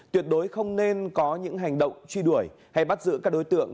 tuyệt đối không nên có những hành động truy đuổi hay bắt giữ các đối tượng